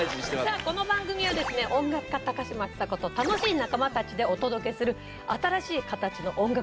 さあこの番組はですね音楽家高嶋ちさ子と楽しい仲間たちでお届けする。